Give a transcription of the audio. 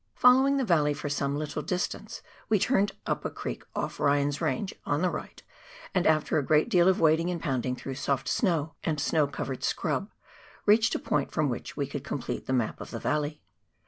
Following the valley for some little distance, we turned up a creek off Hj^an's Eange, on the right, and after a great deal of wading and pounding through soft snow and snow covered scrub, reached a point from which we could complete the map of the valley.